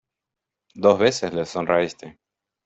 dos veces le sonreíste...